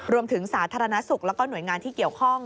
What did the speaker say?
รวมถึงสาธารณสุขและหน่วยงานที่เกี่ยวข้อง